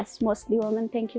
terima kasih telah mengingatkan itu